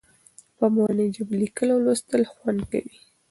په مورنۍ ژبه لیکل او لوستل خوند کوي.